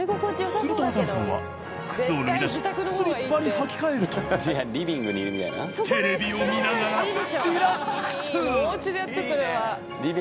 するとハサンさんは靴を脱ぎだしスリッパに履き替えるとテレビを見ながらおうちでやってそれは。